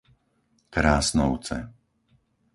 Krásnovce